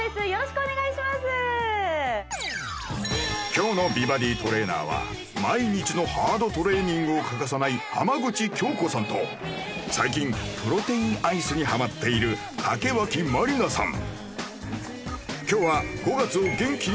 今日の美バディトレーナーは毎日のハードトレーニングを欠かさない浜口京子さんと最近プロテインアイスにハマっている竹脇まりなさん